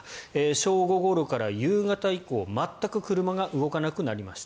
正午ごろから夕方以降全く車が動かなくなりました。